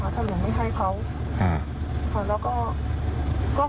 เขาทำอย่างงี้เขาเขาทำยังหนูท้อง